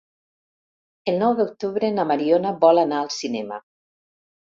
El nou d'octubre na Mariona vol anar al cinema.